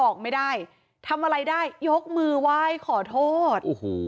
ออกไม่ได้ทำอะไรได้ยกมือไหว้ขอโทษโอ้โห